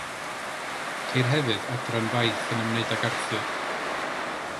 Ceir hefyd adran faith yn ymwneud ag Arthur.